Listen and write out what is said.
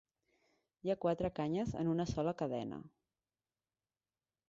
Hi ha quatre canyes en una sola cadena.